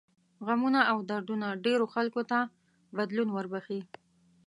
غمونه او دردونه ډېرو خلکو ته بدلون وربښي.